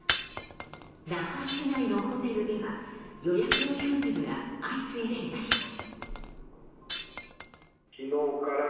那覇市内のホテルでは予約のキャンセルが相次いでいました。